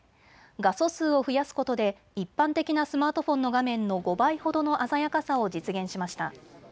画素数を増やすことで一般的なスマートフォンの画面の５倍ほどの鮮やかさを実現しました。